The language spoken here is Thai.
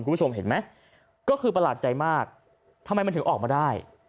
คุณผู้ชมเห็นไหมก็คือประหลาดใจมากทำไมมันถึงออกมาได้